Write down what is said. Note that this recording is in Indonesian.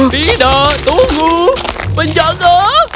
tidak tunggu penjaga